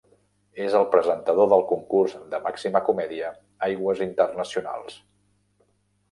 És el presentador del concurs de màxima comèdia "Aigües Internacionals".